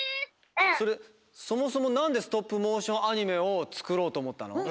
それそもそもなんでストップモーションアニメをつくろうとおもったの？